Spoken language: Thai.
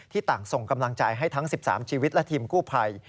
ต่างส่งกำลังใจให้ทั้ง๑๓ชีวิตและทีมกู้ภัย